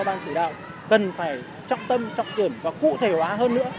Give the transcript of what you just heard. ban chỉ đạo ba trăm tám mươi chín quốc gia cần phải trọng tâm trọng kiểm và cụ thể hóa hơn nữa